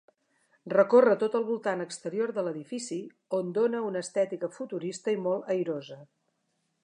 Recorre tot el voltant exterior de l'edifici, on dóna una estètica futurista i molt airosa.